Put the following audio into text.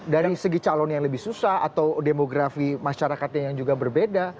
dari segi calon yang lebih susah atau demografi masyarakatnya yang juga berbeda